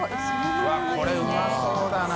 うわっこれうまそうだな。